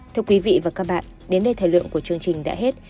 thưa quý vị và các bạn đến đây thời lượng của chương trình đã hết